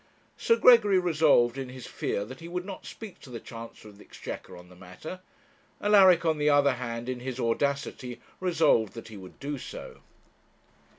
Sir Gregory resolved in his fear that he would not speak to the Chancellor of the Exchequer on the matter; Alaric, on the other hand, in his audacity, resolved that he would do so.